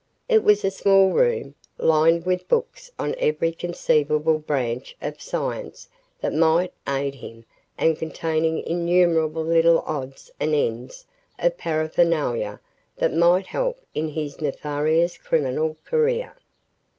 It was a small room, lined with books on every conceivable branch of science that might aid him and containing innumerable little odds and ends of paraphernalia that might help in his nefarious criminal career.